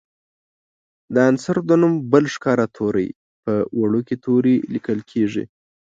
د عنصر د نوم بل ښکاره توری په وړوکي توري لیکل کیږي.